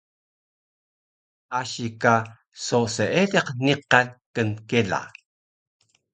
Asi ka so seediq niqan knkela